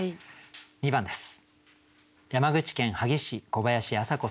２番です。